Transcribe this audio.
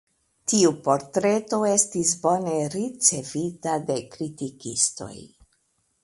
Tiu portreto estis bone ricevita de kritikistoj.